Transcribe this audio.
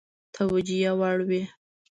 توجیه وړ وي.